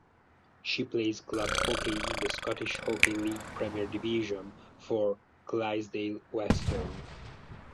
She plays club hockey in the Scottish Hockey League Premier Division for Clydesdale Western.